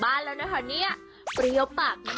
ไม่หนดทุกคนก็เล่นสายตาลอยากกินกินก่อน